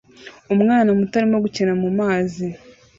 Umwana muto arimo gukina mumazi